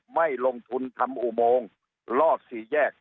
ไม่ลงทุนทำอุโมงลอดสี่แยก